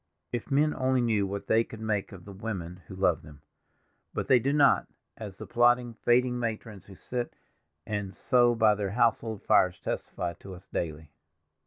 If men only knew what they could make of the women who love them—but they do not, as the plodding, faded matrons who sit and sew by their household fires testify to us daily.